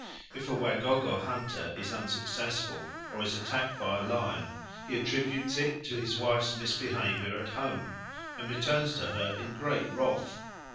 If a Wagogo hunter is unsuccessful, or is attacked by a lion, he attributes it to his wife's misbehaviour at home, and returns to her in great wrath.